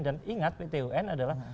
dan ingat pt wn adalah